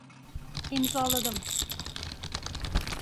İmzaladım.